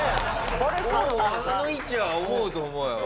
あの位置は思うと思うよ。